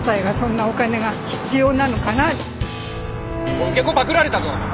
おい受け子パクられたぞ！